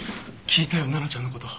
聞いたよ奈々ちゃんの事。